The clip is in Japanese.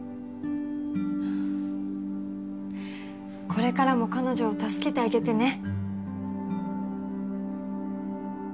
これからも彼女を助けてあげてね。